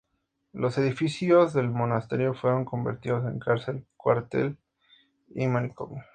Los edificios del monasterio fueron convertidos en cárcel, cuartel y manicomio.